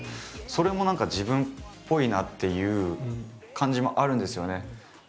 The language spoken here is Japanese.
それも何か自分っぽいなっていう感じもあるんですよね。